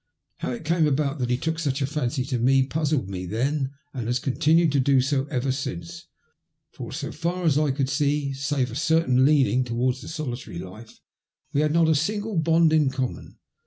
How it came about that he took such a fancy to me puzzled me then and has continued to do so ever since, for, as far as I could see, save a certain leaning towards the solitary in life, we had not a single bond in common.